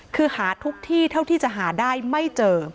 คือหาทุกที่เท่าที่จะหาได้ไม่เจอ